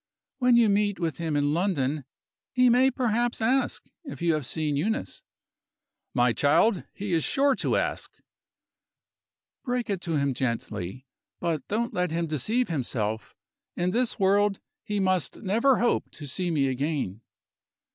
"When you meet with him in London, he may perhaps ask if you have seen Eunice." "My child! he is sure to ask." "Break it to him gently but don't let him deceive himself. In this world, he must never hope to see me again."